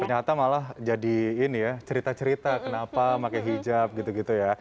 ternyata malah jadi ini ya cerita cerita kenapa pakai hijab gitu gitu ya